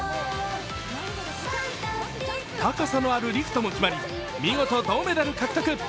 高さのあるリフトも決まり見事銅メダル獲得。